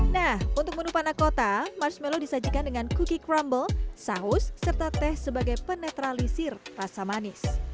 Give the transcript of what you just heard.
nah untuk menu panah kota marshmallow disajikan dengan cookie crumble saus serta teh sebagai penetralisir rasa manis